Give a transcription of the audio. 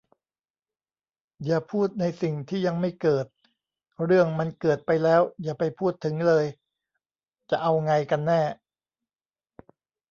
"อย่าพูดในสิ่งที่ยังไม่เกิด" "เรื่องมันเกิดไปแล้ว อย่าไปพูดถึงเลย" จะเอาไงกันแน่ ?